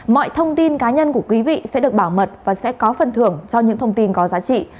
mọi thông tin cá nhân của quý vị sẽ được bảo mật và sẽ có phần thưởng cho những thông tin có giá trị